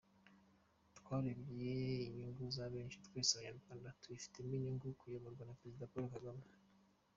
Twarebye inyungu za benshi, twese Abanyarwanda tubifitemo inyungu kuyoborwa na Perezida Paul Kagame.